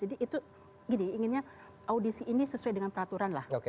jadi itu gini inginnya audisi ini sesuai dengan peraturan lah